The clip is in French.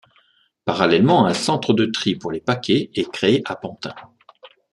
Parallèlement un centre de tri pour les paquets est créé à Pantin.